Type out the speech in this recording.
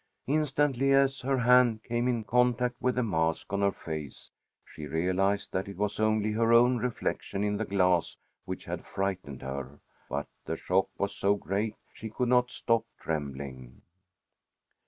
Instantly, as her hand came in contact with the mask on her face, she realized that it was only her own reflection in the glass which had frightened her, but the shock was so great she could not stop trembling.